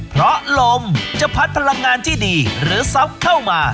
เพราะลมจะพัดพลังงานที่ดีหรือซับเข้ามา